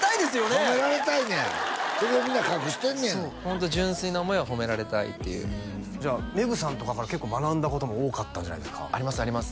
褒められたいんやそれをみんな隠してんねやホント純粋な思いは褒められたいっていうじゃあめぐさんとかから結構学んだことも多かったんじゃないですかありますあります